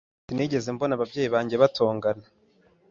Sinigeze mbona ababyeyi banjye batongana